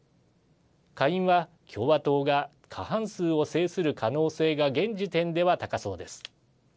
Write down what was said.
下院は共和党が過半数を制する可能性が現時点では高そうです。